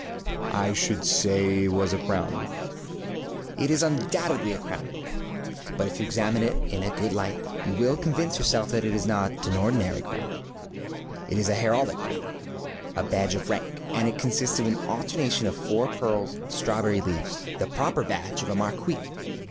ŌĆØ ŌĆ£I should say it was a crown. ŌĆØ ŌĆ£It is undoubtedly a crown; but if you examine it in a good light, you will convince yourself that it is not an ordinary crown. It is a heraldic crownŌĆöa badge of rank, and it consists of an alternation of four pearls and strawberry leaves, the proper badge of a marquis.